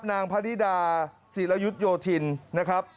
นางภรีดาสิรยุทธโยธินนะครับ